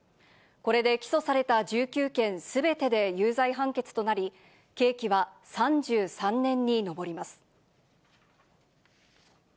これで起訴された１９件すべてで有罪判決となり、刑期は３３年に上ります。